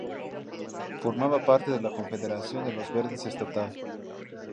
Formaba parte de la Confederación de Los Verdes estatal.